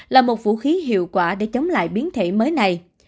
là một vũ khí hiệu quả để chống lại biến thể mới này